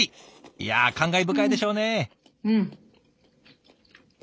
いや感慨深いでしょうね。